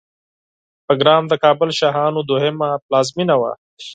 بګرام د کابل شاهانو دوهمه پلازمېنه وه